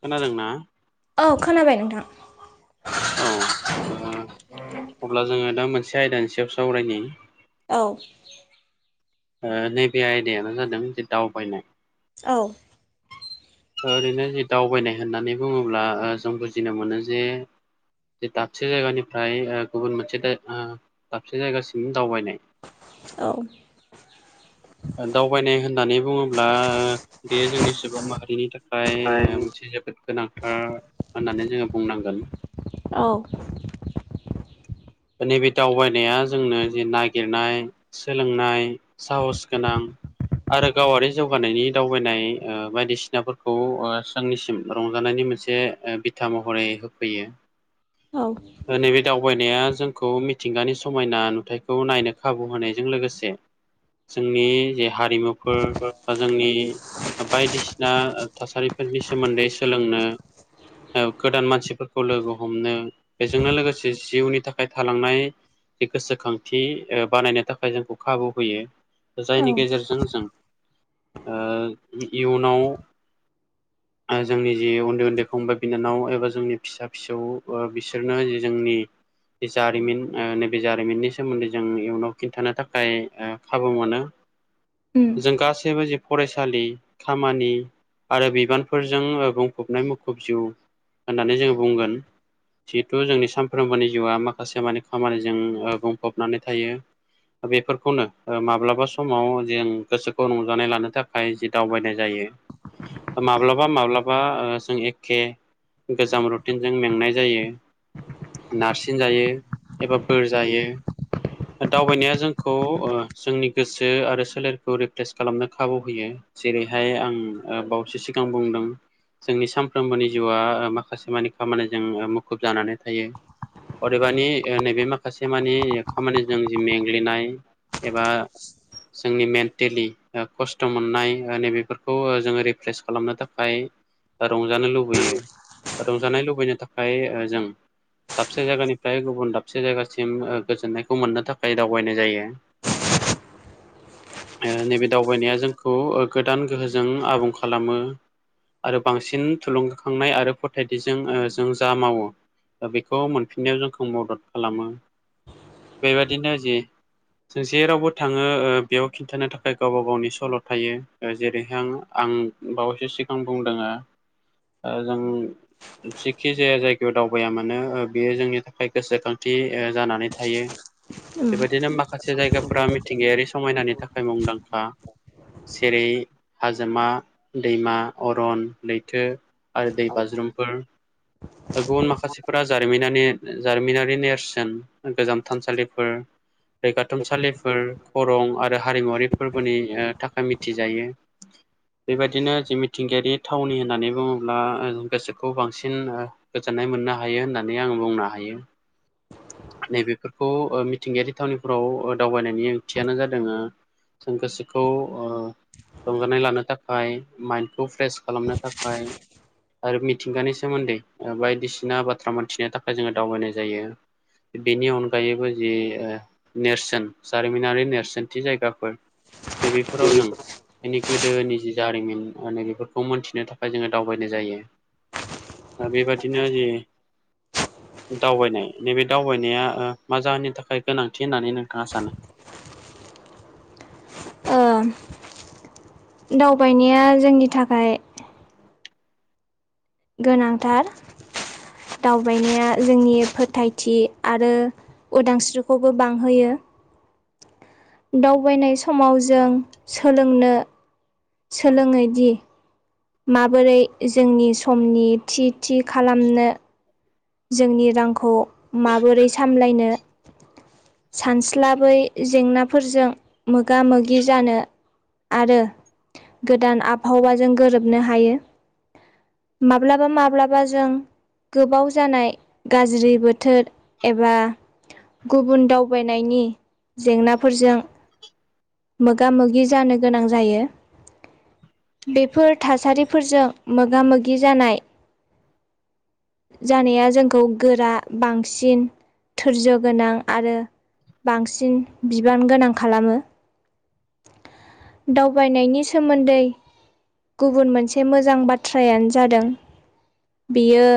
खोनादोंना? औ खोनाबाय नोंथां। औ ओ अब्ला जोङो दा मोनसे आयदानि सायाव सावरायनि। औ। ओ नैबे आयदायानो जादों जे दावबायनाय। औ। ओरैनो जे दावबायनाय होननानै बुङोब्ला ओ जों बुजिनो मोनो जे जे दाबसे जायगानिफ्राय ओ गुबुन मोनसे दा ओ दाबसे जायगासिम दावबायनाय। औ। ओ दावबायनाय होननानै बुङोब्ला ओ बेयो जोंनि सुबुं माहारि- बेनि थाखाय ओ मोनसे जोबोद गोनांथार होननानै जोङो बुंनांगोन। औ। दा नैबे दावबायनाया जोंनो जे नागिरनाय सोलोंनाय, साहस गोनां आरो गावारि जौगानायनि दावबायनाय ओ बायदिसिनाफोरखौ ओ जोंनिसिम रंजानायनि मोनसे ओ बिथा महरै होफैयो। औ दा नैबे दावबायनाया जोंखौ मिथिंगानि समायना नुथायखौ नायनो खाबु होनायजों लोगोसे जोंनि जे हारिमुफोर बा जोंनि बायदिसिना ओ थासारिफोरनि सोमोन्दै सोलोंनो ओ गोदान मानसिफोरखौ लोगो हमनो, बेजोंनो लोगोसे जिउनि था थाखाय थालांनाय जे गोसोखांथि ओ बानायनो थाखाय जोंखौ खाबु होयो। औ जायनि गेजेरजों जों ओ इयुनाव ओ जोंनि जे उन्दै उन्दै फंबाय बिनानाव एबा जोंनि फिसा फिसौ ओ बिसोरनो जे जोंनि जारिमिन ओ नैबे जारिमिननि सोमोन्दै जों इयुनाव खिन्थानो थाखाय ओ खाबु मोनो। उम जों गासैबो जि फरायसालि, खामानि आरो बिबानफोरजों ओ बुंफबनाय मुखुब जिउ होननानै जोङो बुंगोन जेहेथु जोंनि सानफ्रोमबोनि जिउआ माखा- माखासे मानि खामानिजों ओ बुंफबनानै थायो। बेफोरखौनो ओ माब्लाबा समाव जें गोसोखौ रंजानाय लानो थाखाय थाखाय जि दावबायनाय जायो माब्लाबा माब्लाबा ओ जों एखे गोजाम रुटिनजों मेंनाय जायो, नारसिन जायो। एबा बोर जायो। दावबायनाया जोंखौ ओ जोंनि गोसो आरो सोलेरखौ रिप्लेस खालामनो खाबु होयो। जेरैहाय आं ओ बावैसो सिगां बुंदों। जोंनि सानफ्रामबोनि जिउआ ओ माखासे मानि खामानिजों ओ मुखुब जानानै थायो। मानि ओ नैबे माखासे मानि खामानिजों जि मेंग्लिनाय एबा जोंनि मेन्टेलि ओ खस्थ' मोननाय ओ नैबेफोरखौ ओ जोङो रिप्रेस खालामनो थाखाय ओ रंजानो लुबैयो रंजानाय लुबैनो थाखाय ओ जों दाबसे जायगानि फ्राय गुबुन दाबसे जायगासिम ओ गोजोन्नायखौ मोननो थाखाय दावबायनाय जायो। ओ नैबे दावबायनाया जोंखौ ओ गोदान गोहोजों आबुं खालामो। आरो बांसिन थुलुंगाखांनाय आरो फोथायथिजों ओ जों जा मावो दा बेखौ मोनफिननायाव जोंखौ मदद खालामो। बेबायदिनो जि जों जेरावबो थाङो ओ बेयाव खिन्थानो थाखाय गावबा गावनि सल' थायो। जेरैहायां आं आं बावैसो सिगां बुंदोङो। ओ जों जेखि जाया जायगायाव दावबायामानो ओ बेयो जोंनि थाखाय थाखाय गोसोखांथि जानानै थायो उम बेबायदिनो माखासे जायगाफोरा मिथिंगायारि समायनानि थाखाय मुंदांखा जेरै हाजोमा, दैमा, अरन, लैथो, आरो दै बाज्रुमफोर गुबुन माखासेफोरा जारिमिनानि जारिमिनारि नेरसोन गोजाम थानसालिफोर रैगाथुमसालिफोर खरं आरो हारिमुवारि फोरबोनि थाखाय मिथिजायो। बेबायदिनो जे मिथिंगायारि थावनि होननानै बुङोब्ला गोसोखौ बांसिन गोजोननाय मोननो हायो होननानै आङो बुंनो हायो। नैबेफोरखौ ओ मिथिंगायारि थावनिफोराव ओ दावबायनायनि ओंथियानो जादोङो जों गोसोखौ ओ रंजानाय लानो थाखाय माइन्डखौ फ्रेस खालामनो थाखाय आरो मिथिंगानि सोमोन्दै बायदिसिना बाथ्रा मोनथिनो थाखाय जोङो दावबायनाय जायो। बेनि अनगायैबो जे नेरसोन, जारिमिनारि नेरसोनथि जायगाफोर, नैबेफोराव जों बिनि गोदोनि जि जारिमिन माने बेफोरखौ मोन्थिनो थाखाय जोङो दावबायनाय जायो। बेबादिनो जे दावबायनाय नैबे दावबायनाया मा जाहोननि थाखाय गोनांथि होननानै नोंथाङा सानो? ओ दावबायनाया जोंनि थाखाय गोनांथार दावबायनाया जोंनि फोथायथि आरो उदांस्रिखौबो बांहोयो दावबायनाय समाव जों सोलोंनो सोलोङोदि माबोरै जोंनि समनि थि थि खालामनो जोंनि रांखौ माबोरै सामलायनो सानस्लाबै जेंनाफोरजों मोगा मोगि जानो आरो गोदान आबहावाजों गोरोबनो हायो माब्लाबा माब्लाबा जों गोबाव जानाय गाज्रि बोथोर एबा गुबुन दावबायनायनि जेंनाफोरजों मोगा मोगि जानो गोनां जायो। बेफोर थासारिफोरजों मोगा मोगि जानाय जानाया जोंखौ गोरा बांसिन धोरजो गोनां आरो बांसिन बिबान गोनां खालामो। दावबायनायनि सोमोन्दै गुबुन मोनसे मोजां बाथ्रायानो जादों बेयो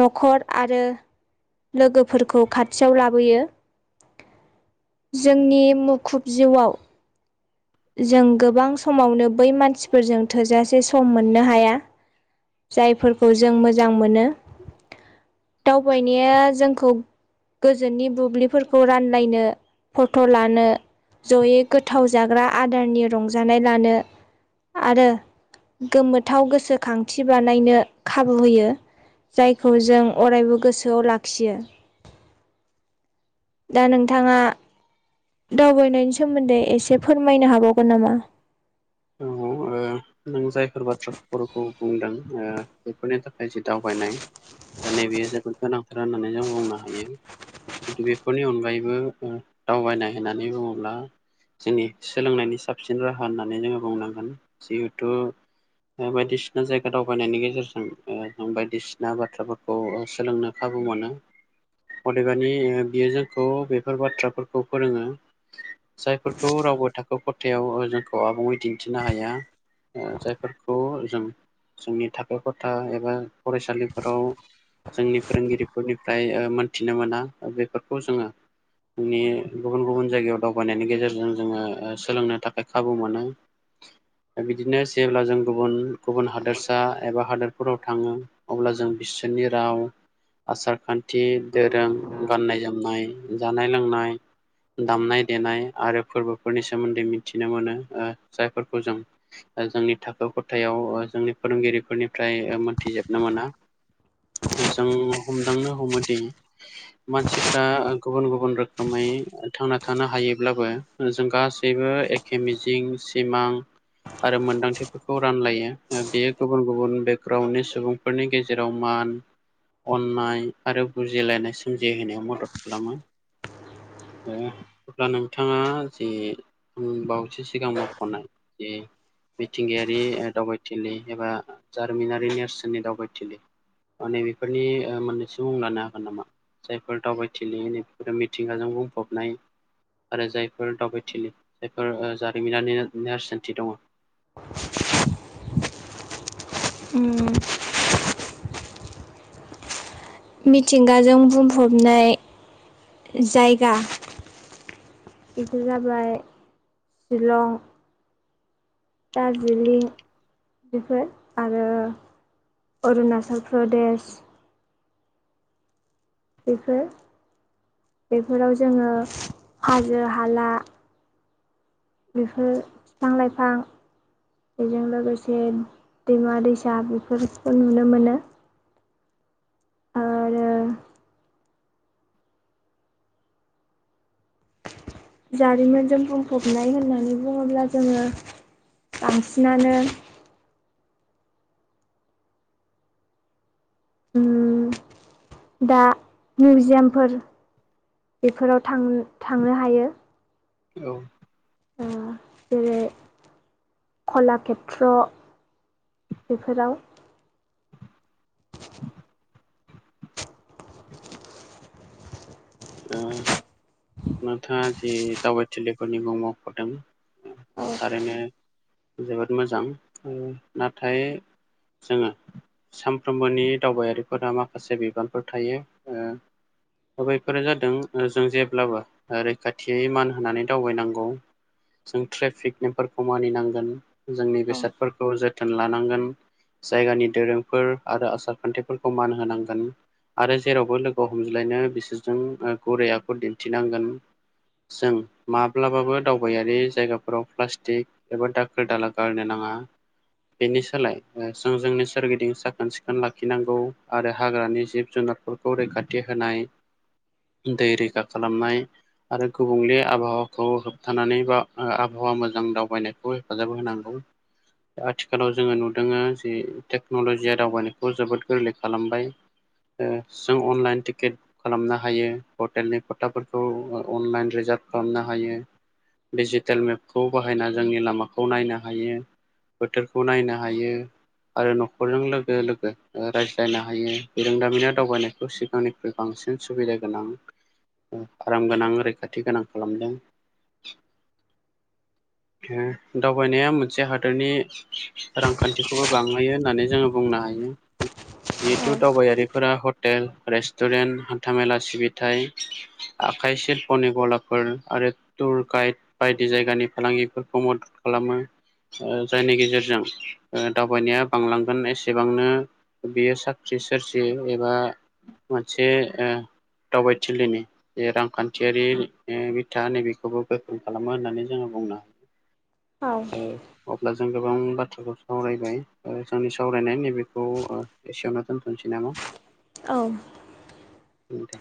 न'खर आरो लोगोफोरखौ खाथियाव लाबोयो जोंनि मुखुब जिउआव जों गोबां समावनो बै मानसिफोरजों थोजासे सम मोननो हाया। जायफोरखौ जों मोजां मोनो दावबाय नाया जोंखौ गोजोननि बुब्लिफोरखौ रानलायनो, फट' लानो जयै गोथाव जाग्रा आदारनि रंजानाय लानो, आरो गोमो थाव गोसोखांथि बानायनो खाबु होयो जायखौ जों अरायबो गोसो आव लाखियो। दा नोंथाङा दावबायनायनि सोमोन्दै एसे फोरमायनो हाबावगोन नामा? औ नों जायफोर बाथ्रा फोरखौ बुंदों ओ बेफोरनि थाखाय जि दावबायनाय दा नैबेयो जोबोद गोनांथार होननानै जों बुंनो हायो बेफोरनि अनगायैबो दावबायनाय होननानै बुङोब्ला जोंनि सोलोंनायनि साबसिन राहा होननानै जोङो बुंनांगोन जिहेथु बायदिसिना जायगा दावबायनायनि गेजेरजों जों बायदिसिना बाथ्राफोरखौ खौ सोलोंनो खाबु मोनो। अदेबानि ओ बियो जोंखौ बेफोर बाथ्राफोरखौ फोरोङो जायफोरखौ रावबो थाखो खथायाव जोंखौ आबुङै दिन थिनो हाया ओ जायफोरखौ जों जोंनि थाखो खथा एबा फरायसालिफोराव जोंनि फोरोंगिरिफोरनिफ्राय मोनथिनो मोना। बेफोरखौ जोङो जोंनि गुबुन गुबुन जायगायाव दावबायनायनि गेजेरजों जोङो ओ सोलोंनो थाखाय खाबु मोनो। दा बिदिनो जेब्ला जों गुबुन गुबुन हादोरसा एबा हादोरफोराव थाङो अब्ला जों बिसोरनि राव आसारखान्थि दोरों गाननाय जोमनाय जानाय लोंनाय दामनाय देनाय आरो फोरबोफोरनि सोमोन्दै मिथिनो मोनो ओ जायफोरखौ जों ओ जोंनि थाखो खथायाव ओ जोंनि फोरोंगिरिफोरनिफ्राय ओ मोनथिजोबनो मोना। जों हमदांनो हमोदि मानसिफ्रा गुबुन गुबुन रोखोमै थांना थानो हायोब्लाबो जों गास यैबो एखे मिजिं सिमां आरो मोनदांथिफोरखौ रानलायो बेयो गुबुन गुबुन बेकग्राउनडनि सुबुं फोरनि गेजेराव मान अननाय आरो बुजिलायनाय सोमजिहोनायाव मदद खालामो। ओ अब्ला नोंथाङा जि बावैसो सिगां म' ख'नाय जे मिथिंगायारि ओ दावबायथिलि एबा जारिमिनारि नेरसोननि दावबायथिलि माने बेफोरनि ओ मोननैसो मुं लानो हागोन नामा? जायफोर दावबायथिलि नै बेफोरो मिथिंगाजों बुंफबनाय आरो जायफोर दावबायथिलि जायफोर ओ जारिमिनारि नेरसोनथि दङ'। उम मिथिंगाजों बुंफबनाय जायगा बेफोर जाबाय शिलं दार्जिलिं बेफोर आरो अरुणाचल प्रदेश बेफोर बेफोराव जोङो हाजो हाला बेफोर बिफां लाइफां बेजों लोगोसे दैमा दैसा बेफोरखौ नुनो मोनो। आरो जारिमिनजों बुंफबनाय होननानै बुङोब्ला जोङो बांसिनानो उम दा मिउजियामफोर बेफोराव थां थांनो हायो। औ। ओ जेरै कलाखेत्र बेफोराव ओ नोंथाङा जि दावबाय थिलिफोरनि मुं मख'दों औ थारैनो जोबोद मोजां ओ नाथाय जोङो सानफ्रोमबोनि दावबायारिफोरा माखासे बिबानफोर थायो ओ बेफोरो जादों ओ जों जेब्लाबो ओ रैखाथियै मान होनानै दावबायनांगौ। जों ट्रेफिक नेमफोरखौ मानिनांगोन जोंनि बेसादफोरखौ जोथोन लानांगोन। जायगानि दोरोंफोर आरो आसारखान्थिफोरखौ मान होनांगोन आरो जेरावबो लोगो हमज्लायनो बिसोरजों ओ गुरै आखु दिन्थिनांगोन। जों माब्लाबाबो दावबायारि जायगाफोराव प्लास्टिक एबा दाखोर दाला गारनो नाङा। बेनि सोलाय ओ जों जोंनि सोरगिदिं साखोन सिखोन लाखिनांगौ आरो हाग्रानि जिब जुनारफोर खौ रैखाथि होनाय दै रैखा खालामनाय आरो गुबुंले आबहावाखौ होबथानानै बा ओ आबहावा मोजां दावबायनाय बुल खालामहोनांगौ आथिखालाव जोंङो नुदोंङो जि टेक्न'लजिया दावबायनायखौ जोबोद गोरलै खालामबाय। ओ जों अनलाइन टिकेट खालामना हायो हटेलनि खोथाफोरखौ अनलाइन रिजार्भ खालामनो हायो डिजिटेल मेपखौ बाहायना जोंनि लामाखौ नायनो हायो बोथोरखौ नायनो हायो आरो न'खरजों लोगो लोगो रायज्लायनो हायो बिरोंदामिना दावबायनायखौ सिगांनिख्रुइ बांसिन सुबिदा गोनां आराम गोनां रैखाथि गोनां खालामदों। ओ दावबायनाया मोनसे हादरनि रांखान्थिखौबो बांहोयो होननानै जोंङो बुंनो हायो। जिहेथु दावबायारिफोरा हटेल रेस्टुरेन्ट हान्थामेला सिबिथाय आखाय सिल्पनि गलाफोर आरो टुर गाइड बायदि जायगानि फालांगिफोरखौ मदद खालामो ओ जायनि गेजेरजों ओ दावबायनाया बांलांगोन एसेबांनो बियो साख्रि सोरस्रि एबा मोनसे ओ दावबायथिलिनि जे रांखान्थियारि ओ बिथा नैबेखौबो गोख्रों खालामो होननानै जोंङो बुंनो हायो। औ। अब्ला जों गोबां बाथ्राखौ सावरायबाय जोंनि सावरायनाया नैबेखौ एसेयावनो दोनथनोसै नामा? औ। दे